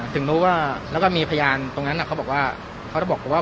ถึงรู้ว่าแล้วก็มีพยานตรงนั้นเขาบอกว่าเขาจะบอกว่า